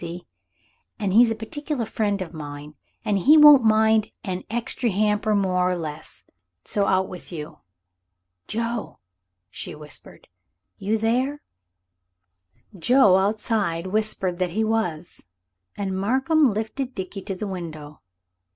See? An' he's a particular friend of mine; and he won't mind an extry hamper more or less. So out with you. Joe," she whispered, "you there?" Joe, outside, whispered that he was. And Markham lifted Dickie to the window.